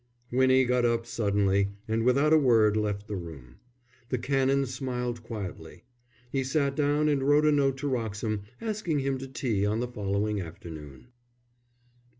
_" Winnie got up suddenly, and without a word left the room. The Canon smiled quietly. He sat down and wrote a note to Wroxham asking him to tea on the following afternoon.